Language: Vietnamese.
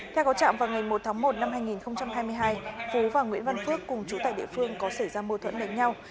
theo có trạm vào ngày một tháng một năm hai nghìn hai mươi hai phú và nguyễn văn phước cùng chú tại địa phương có xảy ra mô thuẫn đánh nhau